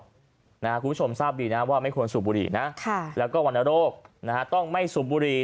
คุณผู้ชมทราบดีนะว่าไม่ควรสูบบุหรี่นะแล้วก็วรรณโรคต้องไม่สูบบุหรี่